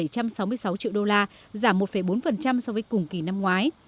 bảy trăm sáu mươi sáu triệu usd giảm một bốn so với cùng kỳ năm ngoái